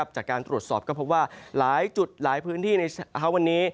จากการตรวจสอบก็พบว่าหลายจุดหลายพื้นที่ในเช้าวันนี้